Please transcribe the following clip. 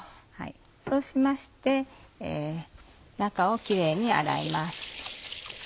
そうしまして中をキレイに洗います。